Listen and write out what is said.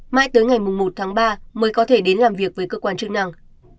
mãi tới ngày một tháng ba mới có thể đến làm việc với cơ quan chức năng